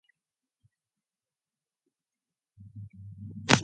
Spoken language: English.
Koetter grew up in Pocatello, Idaho, the son of a football coach.